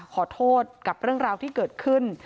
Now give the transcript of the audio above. ขอโทษกับเรื่องราวที่เกิดขึ้น